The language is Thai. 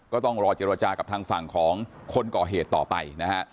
ต้องรอเจรจากับทางฝั่งของคนก่อเหตุต่อไปนะฮะ